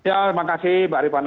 ya terima kasih mbak rifana